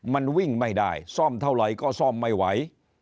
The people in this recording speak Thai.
มันวิ่งไม่ได้ซ่อมเท่าไหร่ก็ซ่อมไม่ไหว